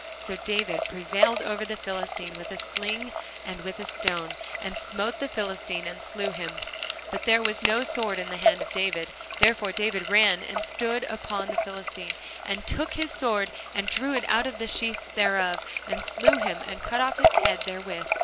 So David prevailed over the Philistine with a sling and with a stone, and smote the Philistine, and slew him; but there was no sword in the hand of David. Therefore David ran, and stood upon the Philistine, and took his sword, and drew it out of the sheath thereof, and slew him, and cut off his head therewith.